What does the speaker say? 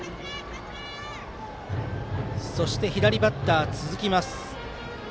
そして左バッターが続きます。